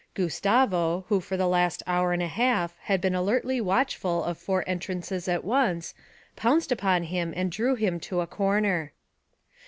Gustavo, who for the last hour and a half had been alertly watchful of four entrances at once, pounced upon him and drew him to a corner.